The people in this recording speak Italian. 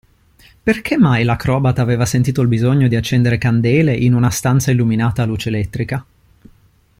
Perché mai l'acrobata aveva sentito il bisogno di accendere candele in una stanza illuminata a luce elettrica?